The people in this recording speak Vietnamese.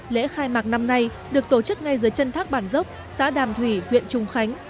lễ khai mạc năm nay được tổ chức ngay dưới chân thác bản dốc xã đàm thủy huyện trùng khánh